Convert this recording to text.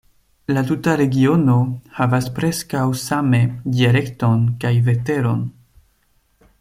La tuta regiono havas preskaŭ same dialekton kaj veteron.